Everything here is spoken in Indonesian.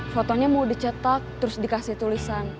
fotonya mau dicetak terus dikasih tulisan